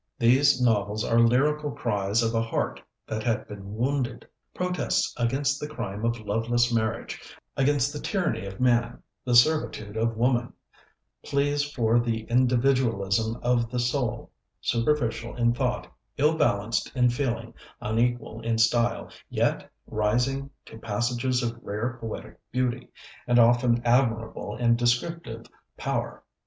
These novels are lyrical cries of a heart that had been wounded; protests against the crime of loveless marriage, against the tyranny of man, the servitude of woman; pleas for the individualism of the soul superficial in thought, ill balanced in feeling, unequal in style, yet rising to passages of rare poetic beauty, and often admirable in descriptive power.